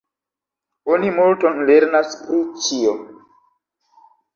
Oni multon lernas pri ĉio.